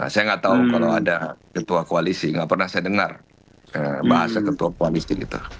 saya tidak tahu kalau ada ketua koalisi tidak pernah saya dengar bahasa ketua koalisi